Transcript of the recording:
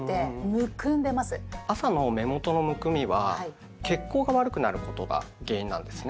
朝の目元のむくみは血行が悪くなることが原因なんですね。